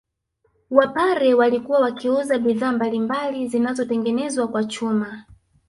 Wapare walikuwa wakiuza bidhaa mbalimbali zinazotengenezwa kwa chuma